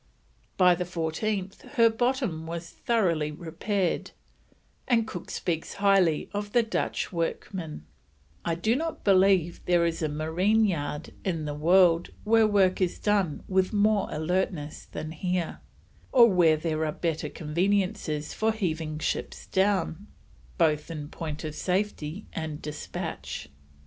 By the 14th her bottom was thoroughly repaired, and Cook speaks highly of the Dutch workmen: "I do not believe there is a Marine Yard in the World where work is done with more alertness than here, or where there are better conveniences for heaving ships down, both in point of safety and Despatch."